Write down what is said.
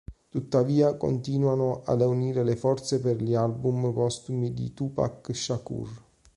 Tuttavia continuano ad unire le forze per gli album postumi di Tupac Shakur.